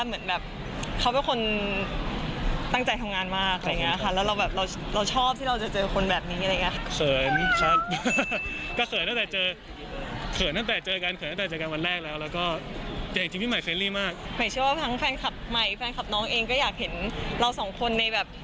หมายชื่อว่าทั้งแฟนคับใหม่แฟนคับน้องเองก็อยากเห็นเราสองคนในแบบ